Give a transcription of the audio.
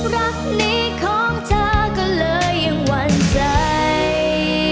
รักนี้ของเธอก็เลยยังหวั่นใจ